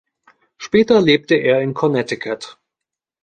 Später lebte er in Connecticut.